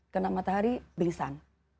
kalau matahari belisan